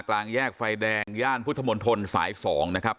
กลางแยกไฟแดงย่านพุทธมนตรสาย๒นะครับ